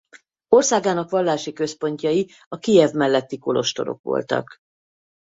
Országának vallási központjai a Kijev melletti kolostorok voltak.